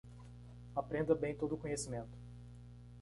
Aprenda bem todo o conhecimento